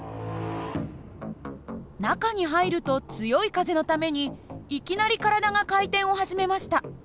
中に入ると強い風のためにいきなり体が回転を始めました。